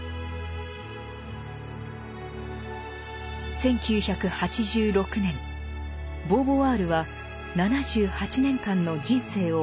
１９８６年ボーヴォワールは７８年間の人生を全うします。